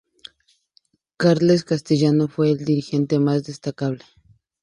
Carles Castellanos fue el dirigente más destacable.